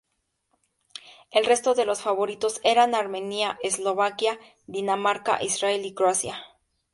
El resto de los favoritos eran Armenia, Eslovaquia, Dinamarca, Israel y Croacia.